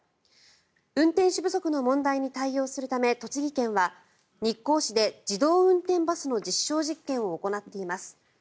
運転手不足の問題に対応するため栃木県は日光市で自動運転バスの実証実験を行っています。